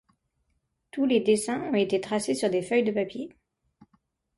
Tous les dessins ont été tracés sur des feuilles de papier.